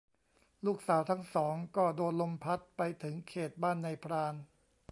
ลูกสาวทั้งสองก็โดนลมพัดไปถึงเขตบ้านนายพราน